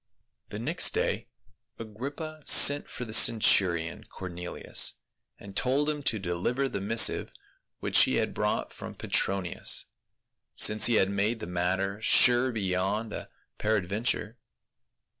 The next day Agrippa sent for the centurion Cor nelius, and told him to deliver the missive which he had brought from Petronius, since he had made the matter sure beyond a peradventure.